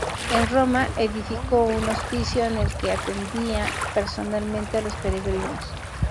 En Roma, edificó un hospicio en el que atendía personalmente a los peregrinos.